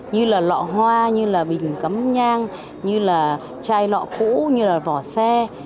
như là lọ hoa như là bình cắm nhang như là chai lọ cũ như là vỏ xe